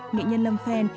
nghệ nhân lâm phen